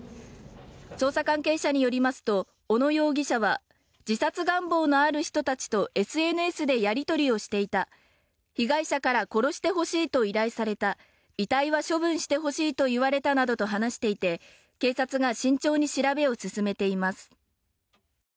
捜査関係者によりますと小野容疑者は自殺願望のある人たちとＳＮＳでやり取りをしていた被害者から殺してほしいと依頼された遺体は処分してほしいと言われたなどと話していて警察が慎重に調べを進めています